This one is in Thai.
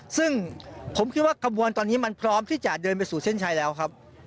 ซึ่งผมคิดว่ากระบวนตอนนี้มันพร้อมที่จะเดินไปสู่เส้นชัยแล้วครับ